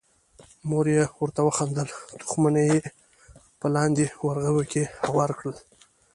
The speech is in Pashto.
مور یې ورته وخندل، تخمونه یې په لانده ورغوي کې هوار کړل.